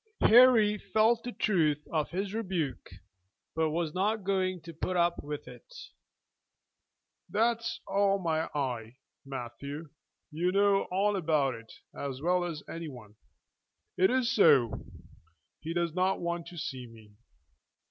Harry felt the truth of this rebuke, but was not going to put up with it. "That's all my eye, Matthew; you know all about it as well as any one. It is so. He does not want to see me."